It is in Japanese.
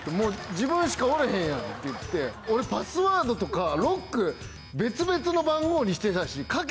自分しかおらへんやん」って言って俺パスワードとかロック別々の番号にしてたし。